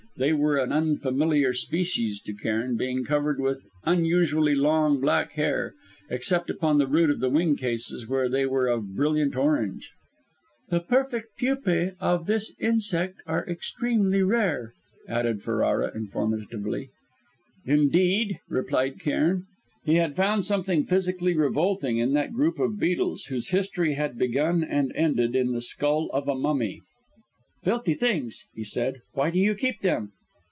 They were an unfamiliar species to Cairn, being covered with unusually long, black hair, except upon the root of the wing cases where they were of brilliant orange. "The perfect pupæ of this insect are extremely rare," added Ferrara informatively. "Indeed?" replied Cairn. He found something physically revolting in that group of beetles whose history had begun and ended in the skull of a mummy. "Filthy things!" he said. "Why do you keep them?"